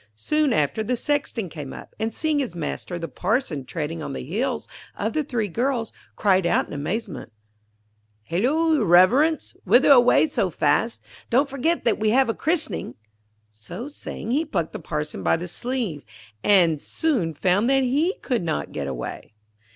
Soon after the Sexton came up, and, seeing his master the Parson treading on the heels of the three girls, cried out in amazement, 'Hullo, your Reverence! Whither away so fast? Don't forget that we have a christening!' So saying, he plucked the Parson by the sleeve, and soon found that he could not get away.